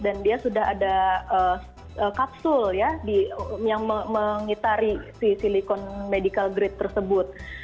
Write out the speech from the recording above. dan dia sudah ada kapsul yang mengitari si silikon medical grade tersebut